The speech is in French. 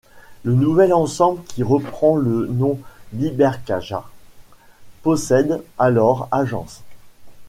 Le nouvel ensemble qui reprend le nom d'Ibercaja possède alors agences.